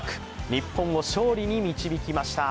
日本を勝利に導きました。